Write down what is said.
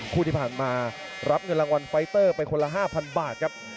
คู่ที่ผ่านมารับเงินรางวัลไฟเตอร์ไปคนละ๕๐๐บาทครับ